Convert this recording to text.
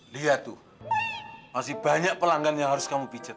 lihat tuh masih banyak pelanggan yang harus kamu pijat